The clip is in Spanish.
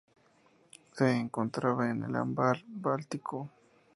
Se encontraba en el Ámbar báltico.